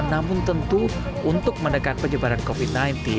namun tentu untuk mendekat penyebaran covid sembilan belas